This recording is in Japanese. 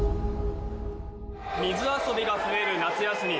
水遊びがされる夏休み。